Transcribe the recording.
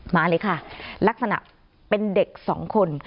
มาเลยค่ะลักษณะเป็นเด็กสองคน